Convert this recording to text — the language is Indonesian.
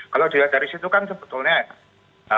kalau dilihat dari situ kan sebetulnya